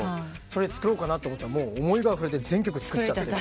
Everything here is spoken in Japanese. それ作ろうかと思ったら思いがあふれて全曲作っちゃってて。